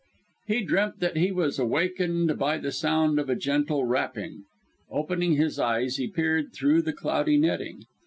He dreamt that he was awakened by the sound of a gentle rapping. Opening his eyes, he peered through the cloudy netting.